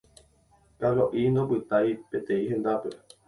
Kalo'i ndopytái peteĩ hendápe.